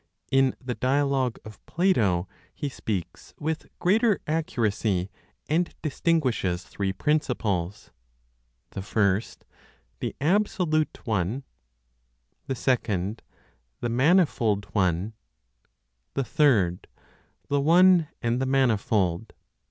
In the dialogue of Plato he speaks with greater accuracy, and distinguishes three principles: the First, the absolute One; the second, the manifold one; the third, the one and the manifold.